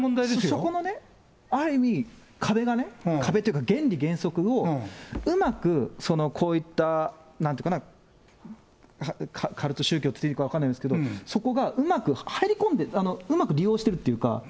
そこの暗に、壁がね、壁というか原理原則を、うまくこういった、なんて言うかな、カルト宗教といっていいのか分からないんですけど、そこがうまく入り込んで、うまく利用してるっていうか。